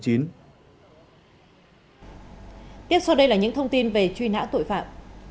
tiếp sau đây là những thông tin về truy nã tội phạm